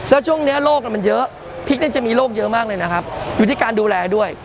แล้วช่วงนี้โรคมันเยอะพริกจะมีโรคเยอะมากเลยนะครับอยู่ที่การดูแลด้วย